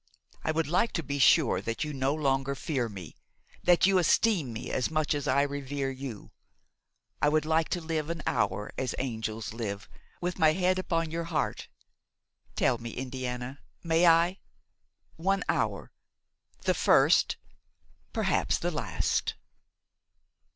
I would like to be sure that you no longer fear me, that you esteem me as much as I revere you; I would like to live an hour as angels live, with my head upon your heart. Tell me, Indiana, may I? One hour–the first, perhaps the last!